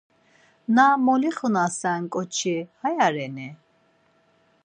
Na mulixunasinon ǩoçi aya reni?